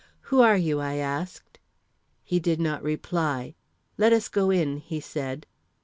"Who are you?" I asked. He did not reply. "Let us go in," he said.